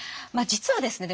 実はですね